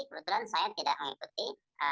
kebetulan saya tidak mengikuti